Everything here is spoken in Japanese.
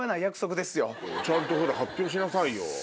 ちゃんとほら発表しなさいよ。